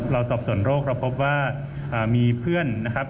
สอบส่วนโรคเราพบว่ามีเพื่อนนะครับ